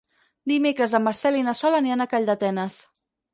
Dimecres en Marcel i na Sol aniran a Calldetenes.